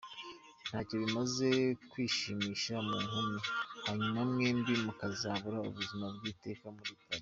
Ntacyo bimaze kwishimisha mu nkumi, hanyuma mwembi mukazabura ubuzima bw’iteka muli paradizo.